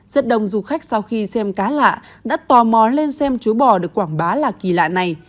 rất đông du khách sau khi xem cá lạ đã tò mò lên xem chú bò được quảng bá là kỳ lạ này